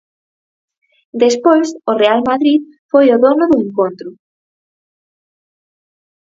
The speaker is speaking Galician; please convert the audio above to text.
Despois, o Real Madrid foi o dono do encontro.